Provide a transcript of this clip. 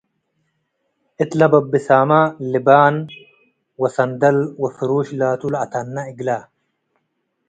እት ለበብሳመ ልባን ወሰንደል ወፍሩሽ ላቱ ለአተነ እግለ ።